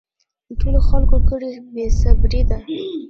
ټولو خلکو کړی بې صبري ده